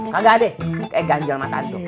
kagak deh eh ganjal mata antum